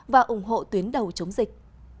và ủng hộ tuyến đầu chống dịch